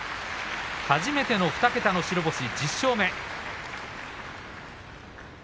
初めての２桁の白星、１０勝目。